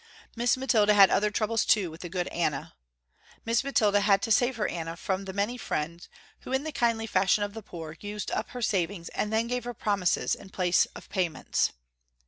Miss Mathilda had other troubles too, with the good Anna. Miss Mathilda had to save her Anna from the many friends, who in the kindly fashion of the poor, used up her savings and then gave her promises in place of payments.